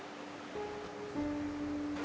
ใจเอิ้น